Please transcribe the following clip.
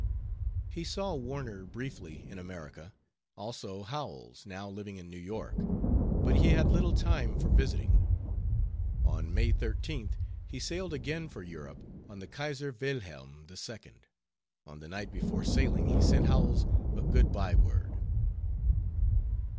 He saw Warner, briefly, in America; also Howells, now living in New York, but he had little time for visiting. On May 13th he sailed again for Europe on the Kaiser Wilhelm II. On the night before sailing he sent Howells a good by word.